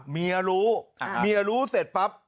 เมียรู้เมียรู้เสร็จปั๊บ